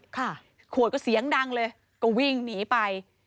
ขวดก็เสียงดังเลยก็วิ่งหนีไป